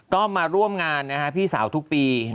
ก็มาร่วมงานพี่สาวทุกปี